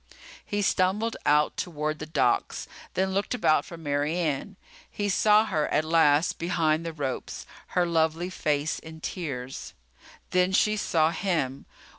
He stumbled out toward the docks, then looked about for Mary Ann. He saw her at last behind the ropes, her lovely face in tears. Then she saw him.